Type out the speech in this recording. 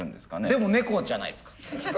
でも猫じゃないですか。